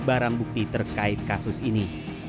barang bukti terkait kasus ini